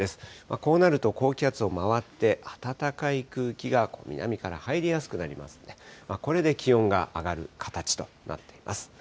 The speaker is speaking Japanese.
こうなると高気圧を回って、暖かい空気が南から入りやすくなりますので、これで気温が上がる形となっています。